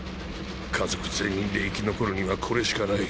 家族全員で生き残るにはこれしか無い。